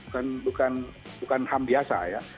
bukan ham biasa ya